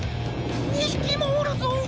２ひきもおるぞ！